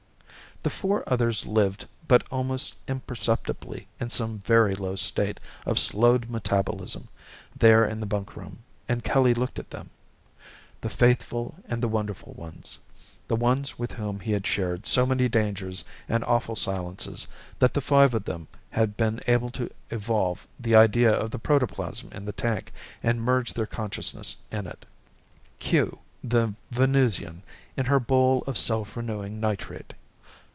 The four others lived but almost imperceptibly in some very low state of slowed metabolism there in the bunkroom and Kelly looked at them. The faithful and the wonderful ones. The ones with whom he had shared so many dangers and awful silences that the five of them had been able to evolve the idea of the protoplasm in the tank and merge their consciousness in it. Kew, the Venusian, in her bowl of self renewing nitrate.